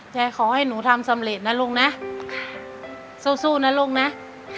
ขอให้หนูทำสำเร็จนะลุงนะสู้นะลูกนะ